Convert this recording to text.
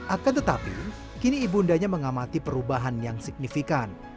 akan tetapi kini ibu undanya mengamati perubahan yang signifikan